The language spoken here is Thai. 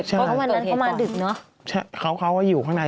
ก็วันนั้นประมาณดึกเนอะใช่ใช่เขาก็อยู่ข้างใน